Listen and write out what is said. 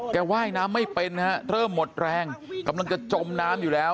ว่ายน้ำไม่เป็นฮะเริ่มหมดแรงกำลังจะจมน้ำอยู่แล้ว